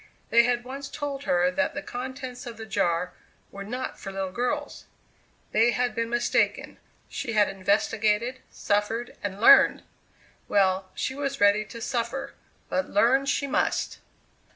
They had once told her that the contents of the jar "were not for little girls." They had been mistaken. She had investigated, suffered, and learned! Well, she was ready to suffer but learn she must!